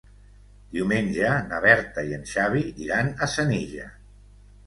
Diumenge na Berta i en Xavi iran a Senija.